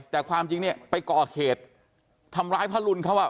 แต่ความจริงเนี่ยไปก่อเหตุทำร้ายพระรุนเขาอ่ะ